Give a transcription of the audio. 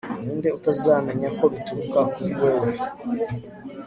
ninde utazamenya ko bituruka kuri wewe